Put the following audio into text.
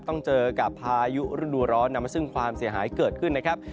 ต้องเจอกับพายุฤดูร้อนนำมาซึ่งความเสียหายเกิดขึ้นนะครับ